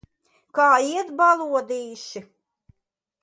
Kā iet, balodīši?